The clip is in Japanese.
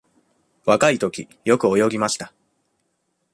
若いとき、よく泳ぎました。